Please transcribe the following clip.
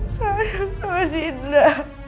kakak juga sayang sama dinda